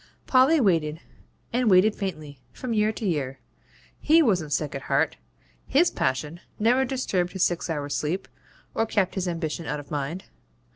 Polly waited, and waited faintly, from year to year. HE wasn't sick at heart; HIS passion never disturbed his six hours' sleep, or kept his ambition out of mind.